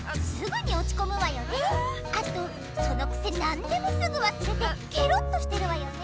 あとそのくせ何でもすぐわすれてケロッとしてるわよね。